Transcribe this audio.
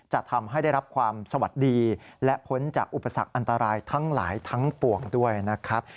จะทำให้ได้รับความสวัสดีและพ้นจากอุปสรรคอันตรายทั้งหลายทั้งปวงด้วยนะครับ